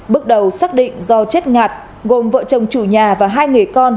bước đầu xác định do chết ngạt gồm vợ chồng chủ nhà và hai người con